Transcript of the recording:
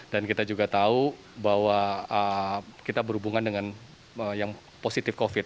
dan kita juga tahu bahwa kita berhubungan dengan yang positif covid